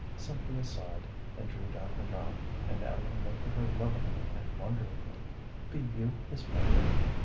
Cynthia sighed and drew down her mouth, and Ellen looked at her lovingly and wonderingly. "Be you his mother?"